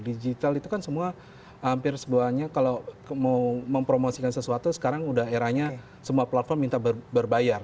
digital itu kan semua hampir semuanya kalau mau mempromosikan sesuatu sekarang udah eranya semua platform minta berbayar